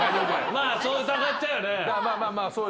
まあそう疑っちゃうよね。